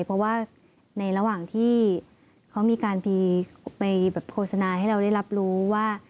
เพราะว่าในระหว่างที่เขามีการไปโฆษณาให้เราได้รับรู้ว่า